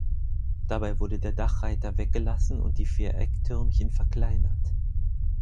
Dabei wurde der Dachreiter weggelassen und die vier Ecktürmchen verkleinert.